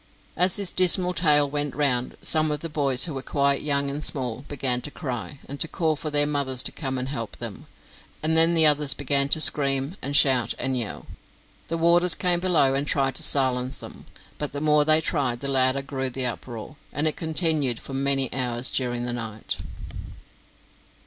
As this dismal tale went round, some of the boys, who were quite young and small, began to cry, and to call for their mothers to come and help them; and then the others began to scream and should and yell. The warders came below and tried to silence them, but the more they tried the louder grew the uproar, and it continued for many hours during the night.